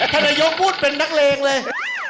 ธนโยคพูดเป็นนักเลงเลย